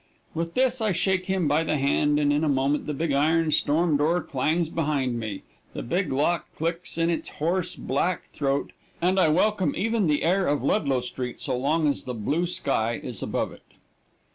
With this I shake him by the hand and in a moment the big iron storm door clangs behind me, the big lock clicks in its hoarse, black throat and I welcome even the air of Ludlow street so long as the blue sky is above it.